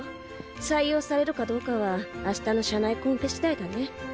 採用されるかどうかはあしたの社内コンペしだいだね。